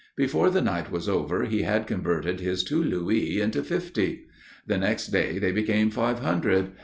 Before the night was over he had converted his two louis into fifty. The next day they became five hundred.